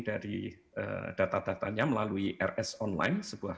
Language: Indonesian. dari data datanya melalui rs online